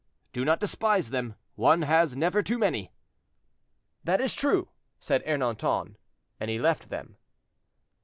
"Do not despise them; one has never too many." "That is true," said Ernanton; and he left them.